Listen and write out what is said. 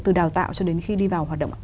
từ đào tạo cho đến khi đi vào hoạt động ạ